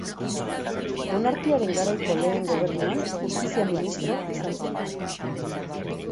Monarkiaren garaiko lehen gobernuan, Justizia ministro izan zen.